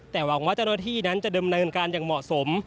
แต่หวังว่าเจ้าหน้าที่นั้นจะเดิมเนินการอย่างเหมาะสม